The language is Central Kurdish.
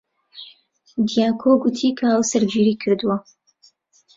دیاکۆ گوتی کە هاوسەرگیری کردووە.